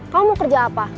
kamu mau kerja apa